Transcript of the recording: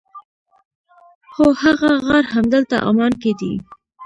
هو هغه غار همدلته عمان کې دی.